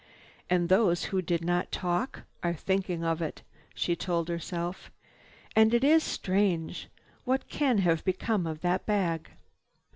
"And those who do not talk are thinking of it," she told herself. "And it is strange! What can have become of that bag?"